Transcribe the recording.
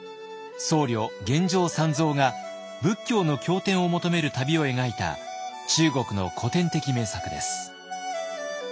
僧侶玄奘三蔵が仏教の経典を求める旅を描いた中国の古典的名作です。